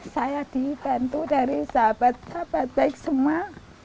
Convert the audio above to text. saya dibantu dari sahabat sahabat baik semua